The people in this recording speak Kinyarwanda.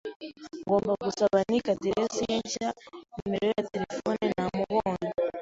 Ngomba gusaba Nick aderesi ye nshya na nimero ya terefone namubonye.